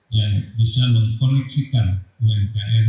yang bisa mengkoneksikan umkm